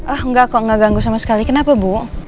ah enggak kok gak ganggu sama sekali kenapa bu